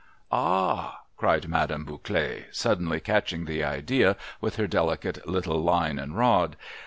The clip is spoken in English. ' Ah h h !' cried Madame Bouclet, suddenly catching the idea with her delicate little line and rod.